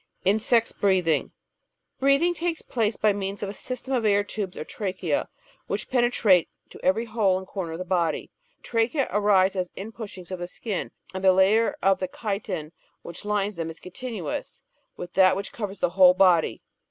Insect's Breathing Breathing takes place by means of a system of air tubes or trachese which penetrate to every hole and corner of the body. Trachese arise as inpushings of the skin, and the layer of chitin which lines them is continuous with that which covers the whole body.